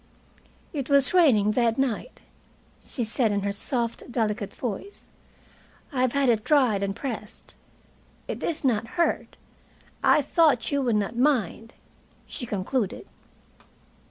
"It was raining that night," she said in her soft, delicate voice. "I have had it dried and pressed. It is not hurt. I thought you would not mind," she concluded.